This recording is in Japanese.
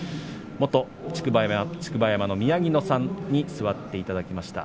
元竹葉山の宮城野さんに座っていただきました。